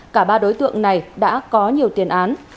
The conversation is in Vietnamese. cả ba đối tượng này đã có nhiều tiền án